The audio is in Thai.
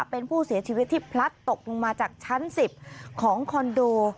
เป็นผู้เสียชีวิตที่พลัดตกลงมาจากชั้น๑๐ของคอนโด